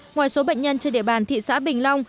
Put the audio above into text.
ngoài số bệnh nhân trên địa bàn thị xã bình long